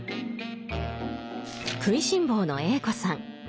食いしん坊のＡ子さん